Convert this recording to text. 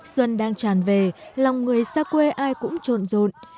xuân đang tràn về lòng người xa quê ai cũng trộn rộn